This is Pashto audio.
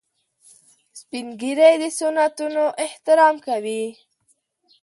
سپین ږیری د سنتونو احترام کوي